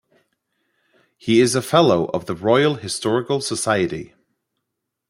He is a Fellow of the Royal Historical Society.